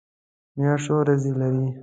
میاشت څو ورځې لري؟